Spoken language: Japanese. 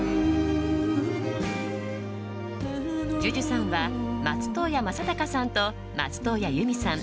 ＪＵＪＵさんは松任谷正隆さんと松任谷由実さん